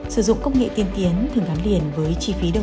sử dụng công nghệ tiên tiến thường gắn liền với chi phí đầu tư lớn